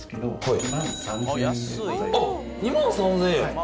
あっ２万３０００円？